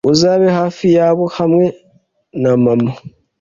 Uzabe hafi yabo hamwe na mama